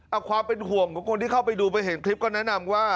เอาความเป็นห่วงของคนที่เข้าไปดูไปเห็นคลิปก็แนะนำว่า